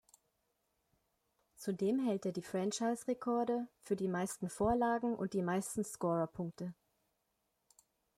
Zudem hält er die Franchise-Rekorde für die meisten Vorlagen und die meisten Scorerpunkte.